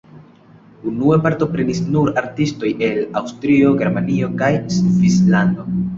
Unue partoprenis nur artistoj el Aŭstrio, Germanio kaj Svislando.